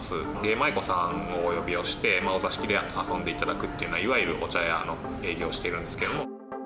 舞妓さんをお呼びをして、お座敷で遊んでいただくっていうような、いわゆるお茶屋の営業をしてるんですけど。